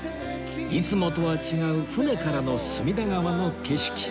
いつもとは違う船からの隅田川の景色